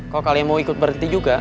kalau kalian mau ikut berhenti juga